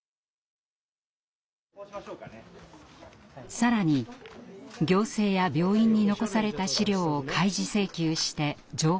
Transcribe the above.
更に行政や病院に残された資料を開示請求して情報を集めます。